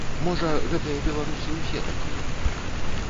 Можа, гэтыя беларусы ўсе такія!